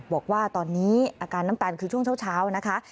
บอกว่าตอนนี้อาการน้ำตาลคือช่วงเช้านะคะ